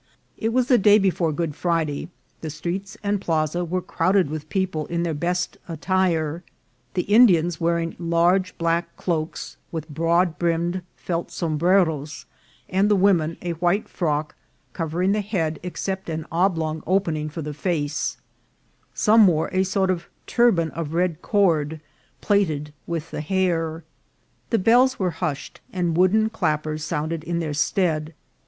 It was the day before Good Friday ; the streets and plaza were crowded with people in their best attire, the Indians wearing large black cloaks, with broad brimmed felt sombreros, and the women a white frock, covering the head except an oblong open ing for the face ; some wore a sort of turban of red cord plaited with the hair. The bells were hushed, and wooden clappers sounded in their stead.